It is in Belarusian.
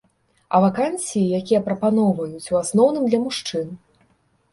А вакансіі, якія прапаноўваюць, у асноўным для мужчын.